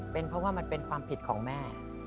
เป็นเพราะว่ามันเป็นความผิดของแม่